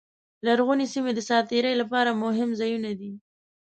لرغونې سیمې د ساعت تېرۍ لپاره مهم ځایونه دي.